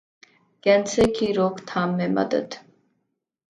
کینسرکی روک تھام میں مدد